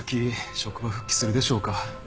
職場復帰するでしょうか？